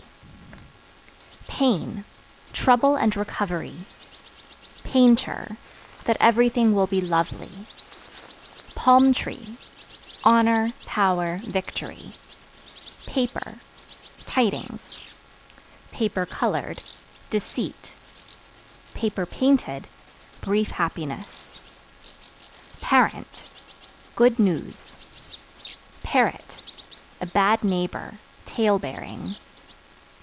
P Pain Trouble and recovery. Painter That everything will be lovely. Palm Tree Honor, power, victory. Paper Tidings; (colored) deceit; (painted) brief happiness. Parent Good news. Parrot A bad neighbor, tale bearing.